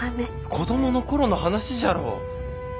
子供の頃の話じゃろう。